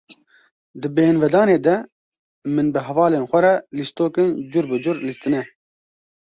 Di bêhinvedanê de, min bi hevalên xwe re lîstokên cur bi cur lîstine.